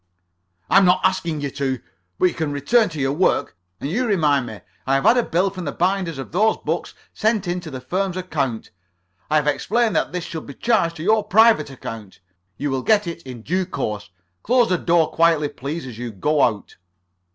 "I'm not asking you to. But you can return to your work. And you remind me. I have had a bill from the binders of those books sent in to the firm's account. I have explained that this should be charged to your private account. You will get it in due course. Close the door quietly, please, as you go out."